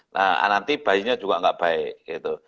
nah nanti bayinya juga nggak baik gitu